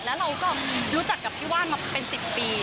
แล้วเราก็รู้จักกับพี่ว่านมาเป็น๑๐ปี